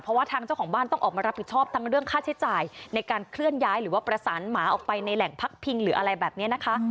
เพราะว่าทางเจ้าของบ้านต้องออกมารับผิดชอบทั้งเรื่องค่าใช้จ่ายในการเคลื่อนย้ายหรือว่าประสานหมาออกไปในแหล่งพักพิงหรืออะไรแบบนี้นะคะ